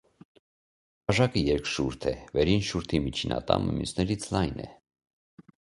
Բաժակը երկշուրթ է, վերին շուրթի միջին ատամը մյուսներից լայն է։